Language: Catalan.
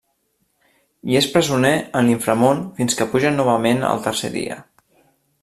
Hi és presoner en l'inframón fins que puja novament al tercer dia.